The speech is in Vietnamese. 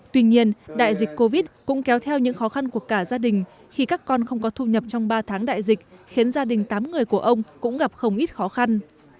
tuy nhiên đại dịch covid cũng kéo theo những khó khăn của cả gia đình khi các con không có thu nhập trong ba tháng đại dịch khiến gia đình tám người của ông cũng gặp không ít khó khăn